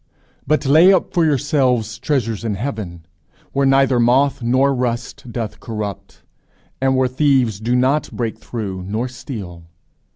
But lay up for yourselves treasures in heaven, where neither moth nor rust doth corrupt, and where thieves do not break through nor steal.